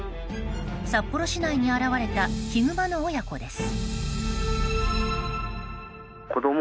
札幌市内に現れたヒグマの親子です。